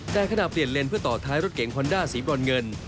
แต่ขณะเปลี่ยนเลนเพื่อต่อท้ายรถเก๋งฮอนด้าสีบรอนเงิน